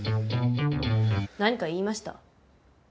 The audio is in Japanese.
何か言いました？